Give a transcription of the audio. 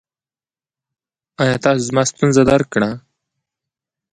ایا تاسو زما ستونزه درک کړه؟